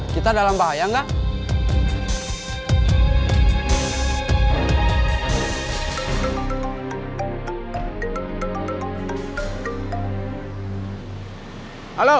tidak ada yang tahu